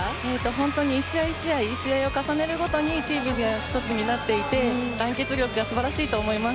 本当に１試合１試合試合を重ねるごとにチームが一つになっていって団結力が素晴らしいと思います。